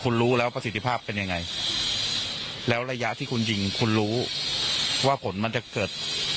คุณรู้แล้วประสิทธิภาพเป็นยังไงแล้วระยะที่คุณยิงคุณรู้ว่าผลมันจะเกิด